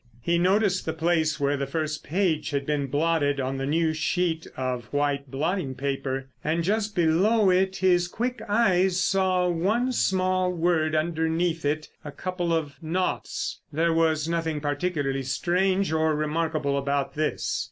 He noticed the place where the first page had been blotted on the new sheet of white blotting paper. And just below it his quick eyes saw one small word, underneath it a couple of naughts. There was nothing particularly strange or remarkable about this.